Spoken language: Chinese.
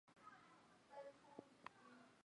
微花连蕊茶是山茶科山茶属的植物。